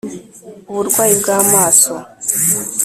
uburwayi bw’amaso